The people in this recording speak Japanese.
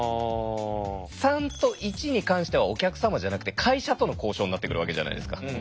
３と１に関してはお客様じゃなくて会社との交渉になってくるわけじゃないですか。